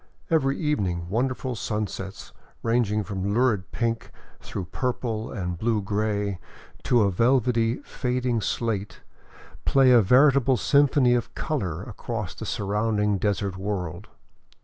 Every evening wonderful sun sets, ranging from lurid pink through purple and blue gray to a vel vety fading slate, play a veritable symphony of color across the sur rounding desert world.